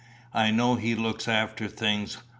I know He looks after things.